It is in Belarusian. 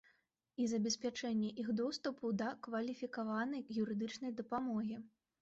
І забеспячэнне іх доступу да кваліфікаванай юрыдычнай дапамогі.